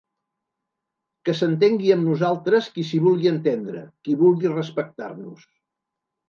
Que s’entengui amb nosaltres qui s’hi vulgui entendre, qui vulgui respectar-nos.